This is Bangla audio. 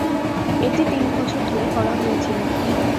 এটি তিন বছর ধরে করা হয়েছিল।